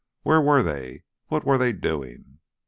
Where were they? What were they doing?